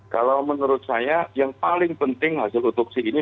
kalau menurut saya yang paling penting hasil otopsi ini